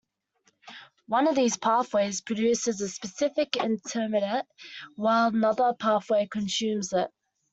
One of these pathways produces a specific intermediate, while another pathway consumes it.